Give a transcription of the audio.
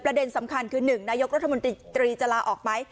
เด็นสำคัญคือ๑นายกรัฐมนตรีจะลาออกไหม